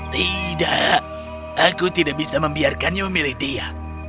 tidak aku tidak bisa membiarkannya memilih dia